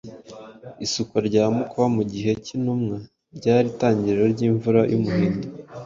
Isukwa rya Mwuka mu gihe cy’intumwa ryari itangiriro ry’imvura y’umuhindo